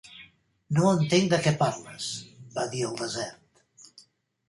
"No entenc de què parles", va dir el desert.